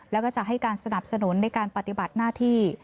แล้วก็จะให้การสนับสนุนในการปฏิบัติหน้าที่